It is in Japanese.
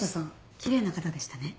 きれいな方でしたね。